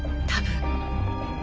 多分。